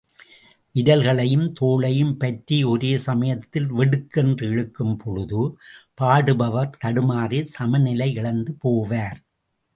விரல்களையும் தோளையும் பற்றி ஒரே சமயத்தில் வெடுக்கென்று இழுக்கும்பொழுது, பாடுபவர் தடுமாறி சமநிலை இழந்து போவார்.